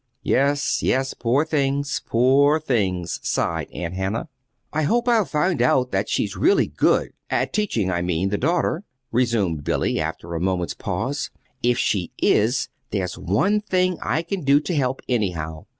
"Yes, yes, poor things, poor things!" sighed Aunt Hannah. "I hope I'll find out that she's really good at teaching, I mean the daughter," resumed Billy, after a moment's pause. "If she is, there's one thing I can do to help, anyhow.